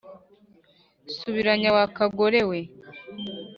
subiranya wa kagore we ,)